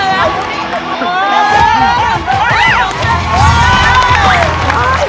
เร็วขึ้นแล้วมา